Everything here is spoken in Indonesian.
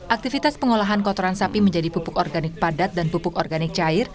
aktivitas pengolahan kotoran sapi menjadi pupuk organik padat dan pupuk organik cair